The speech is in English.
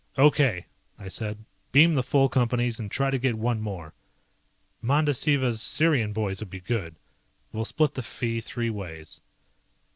"Okay," I said, "beam the full Companies and try to get one more. Mandasiva's Sirian boys would be good. We'll split the fee three ways."